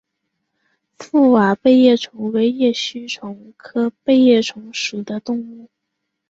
覆瓦背叶虫为叶须虫科背叶虫属的动物。